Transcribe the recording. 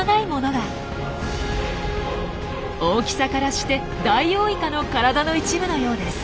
大きさからしてダイオウイカの体の一部のようです。